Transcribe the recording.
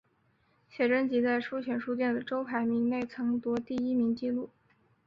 写真集在书泉书店的周排名内曾夺得第一名的纪录。